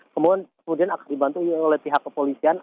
kemudian akan dibantu oleh pihak kepolisian